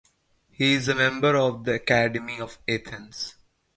He is a member of the Academy of Athens.